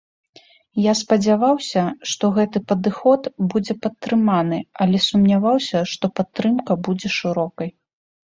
Я спадзяваўся, што гэты падыход будзе падтрыманы, але сумняваўся, што падтрымка будзе шырокай.